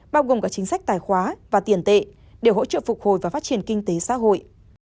bao gồm cả chính sách tài khoá và tiền tệ để hỗ trợ phục hồi và phát triển kinh tế xã hội